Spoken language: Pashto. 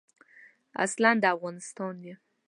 اصلاً د افغانستان یم.